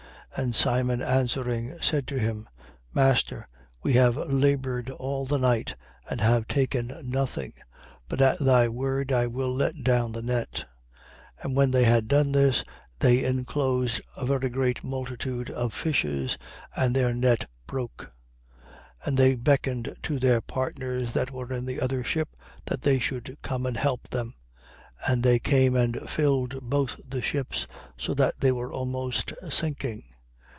5:5. And Simon answering said to him: Master, we have laboured all the night and have taken nothing: but at thy word I will let down the net. 5:6. And when they had done this, they enclosed a very great multitude of fishes: and their net broke. 5:7. And they beckoned to their partners that were in the other ship, that they should come and help them. And they came and filled both the ships, so that they were almost sinking.